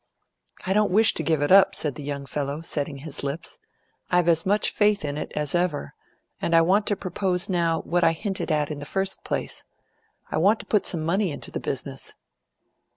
"I don't wish to give it up," said the young fellow, setting his lips. "I've as much faith in it as ever; and I want to propose now what I hinted at in the first place. I want to put some money into the business."